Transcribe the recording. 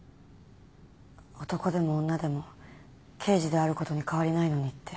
男でも女でも刑事であることに変わりないのにって。